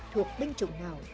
thuộc binh chủng nào